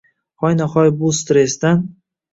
— Hoyna-hoy bu stressdan…